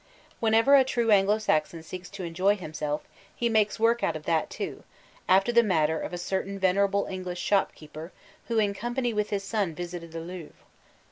When ever a true Anglo Saxon seeks to enjoy himself, he makes work out of that too, after the manner of a cer tain venerable English shopkeeper who in company with his son visited the Louvre.